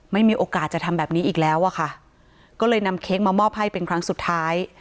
ไม่มีโอกาสจะทำแบบนี้อีกแล้วอะค่ะก็เลยนำเค้กมามอบให้เป็นครั้งสุดท้าย